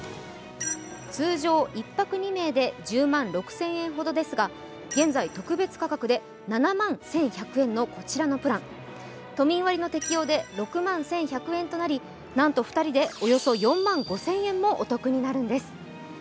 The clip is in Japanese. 通常１泊２名で１０万６０００円ほどですが現在、特別価格で７万１１００円のこちらのプラン、都民割の適用で６万１１００円となり、なんと２人でおよそ４万５０００円もお得になるんです。